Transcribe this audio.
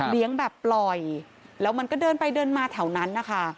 แบบปล่อยแล้วมันก็เดินไปเดินมาแถวนั้นนะคะ